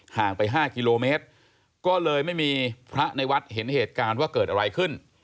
ห่างไป๕กิโลเมตรก็เลยไม่มีพระในวัดเห็นเหตุการณ์ว่าเกิดอะไรขึ้น